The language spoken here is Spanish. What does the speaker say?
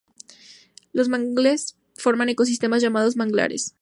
Los mangles forman ecosistemas, llamados manglares.